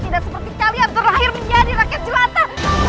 tidak seperti kalian terakhir menjadi rakyat jelata